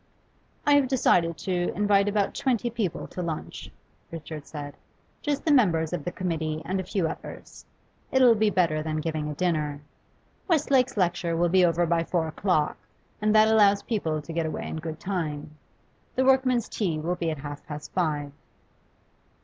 'I have decided to invite about twenty people to lunch,' Richard said. 'Just the members of the committee and a few others. It'll be better than giving a dinner. Westlake's lecture will be over by four o'clock, and that allows people to get away in good time. The workmen's tea will be at half past five.